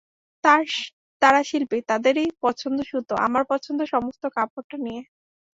তারা শিল্পী, তাদেরই পছন্দে সুতো, আমার পছন্দ সমস্ত কাপড়টা নিয়ে।